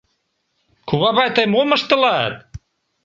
— Кувавай, тый мом ыштылат!